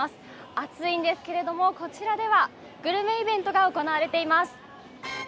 暑いんですけれども、こちらではグルメイベントが行われています。